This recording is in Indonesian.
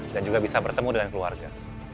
dan juga bisa bertemu dengan keluarga